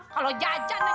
kalo ya jatah jatah